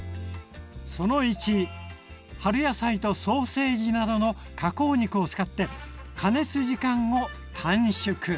春野菜とソーセージなどの加工肉を使って加熱時間を短縮！